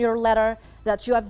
bahwa anda telah bertanggung jawab